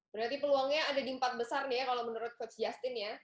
berarti peluangnya ada di empat besar nih ya kalau menurut coach justin ya